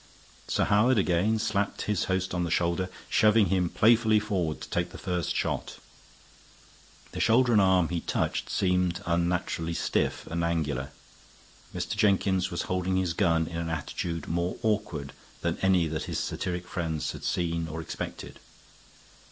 Sir Howard again slapped his host on the shoulder, shoving him playfully forward to take the first shot. The shoulder and arm he touched seemed unnaturally stiff and angular. Mr. Jenkins was holding his gun in an attitude more awkward than any that his satiric friends had seen or expected.